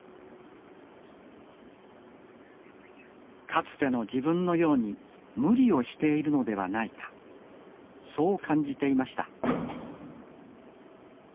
かつての自分のように無理をしているのではないかそう感じていました